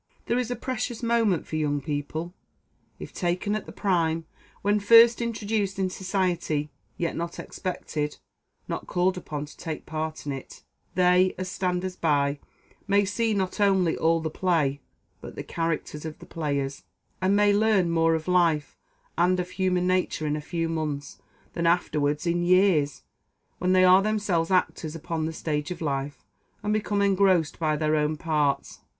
There is a precious moment for young people, if taken at the prime, when first introduced into society, yet not expected, not called upon to take a part in it, they, as standers by, may see not only all the play, but the characters of the players, and may learn more of life and of human nature in a few months, than afterwards in years, when they are themselves actors upon the stage of life, and become engrossed by their own parts.